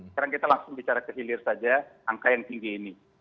sekarang kita langsung bicara kehilir saja angka yang tinggi ini